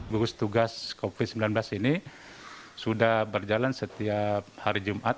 gugus tugas covid sembilan belas ini sudah berjalan setiap hari jumat